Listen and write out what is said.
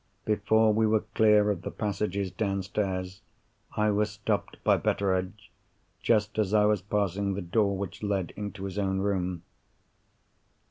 Before we were clear of the passages downstairs, I was stopped by Betteredge, just as I was passing the door which led into his own room.